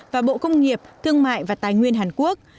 và bộ công nghiệp thương mại và tài nguyên hàn quốc